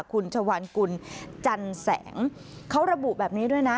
คุณชวานกุลจันแสงเขาระบุแบบนี้ด้วยนะ